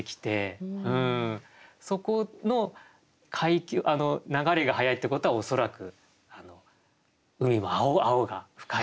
そこの流れが速いってことは恐らく海も青が深いだろうと。